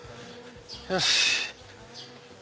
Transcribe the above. よし。